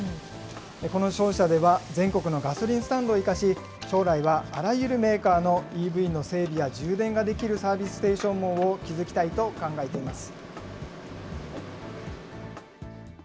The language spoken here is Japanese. この商社では、全国のガソリンスタンドを生かし、将来はあらゆるメーカーのＥＶの整備や充電ができるサービスステーション網を築きたいと考えています。